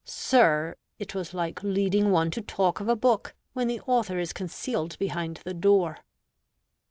Sir, it was like leading one to talk of a book when the author is concealed behind the door."